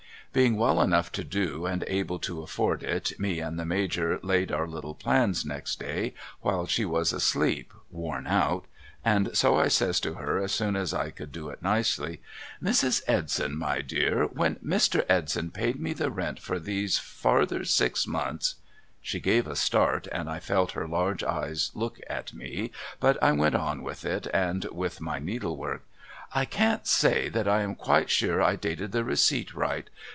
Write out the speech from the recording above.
Being well enough to do and able to afford it, me and the Major laid our little plans next day while she was asleep worn out, and so I says to her as soon as I could do it nicely :' Mrs. Edson my dear, when INIr. Edson paid me the rent for these farther six months ' She gave a start and I felt her large eyes look at me, but I went on with it and with my needlework. '— I can't say that I am quite sure I dated the receipt right.